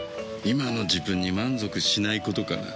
今の自分に満足しないことかな。